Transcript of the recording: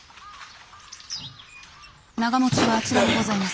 長持はあちらにございます。